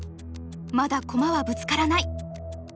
まだ駒はぶつからない。